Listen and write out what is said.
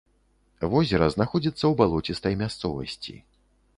Возера знаходзіцца ў балоцістай мясцовасці.